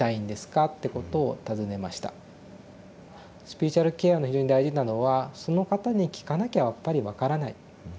スピリチュアルケアで非常に大事なのはその方に聞かなきゃやっぱり分からない。